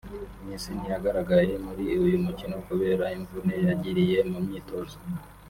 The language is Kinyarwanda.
Messi ntiyagaragaye muri uyu mukino kubera imvune yagiriye mu myitozo